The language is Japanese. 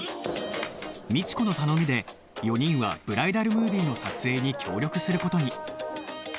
ミチコの頼みで４人はブライダルムービーの撮影に協力する事に